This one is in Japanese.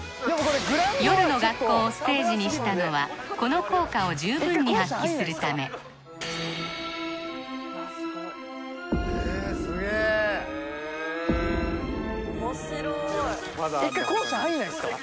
夜の学校をステージにしたのはこの効果を十分に発揮するため一回校舎入んないですか？